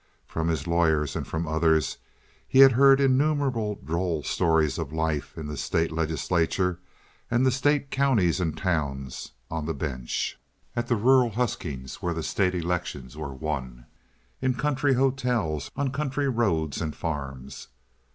From his lawyers and from others he had heard innumerable droll stories of life in the state legislature, and the state counties and towns—on the bench, at the rural huskings where the state elections were won, in country hotels, on country roads and farms.